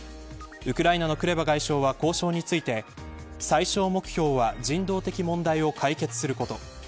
ウクライナのクレバ外相は交渉について最小目標は人道的問題を開設すること。